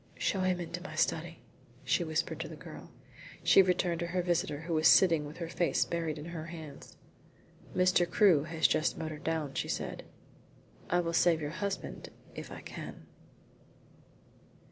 "Show him into my study," she whispered to the girl. She returned to her visitor, who was sitting with her face buried in her hands. "Mr. Crewe has just motored down," she said. "I will save your husband if I can."